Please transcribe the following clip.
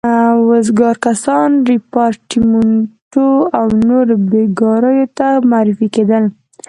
وزګار کسان ریپارټیمنټو او نورو بېګاریو ته معرفي کېدل.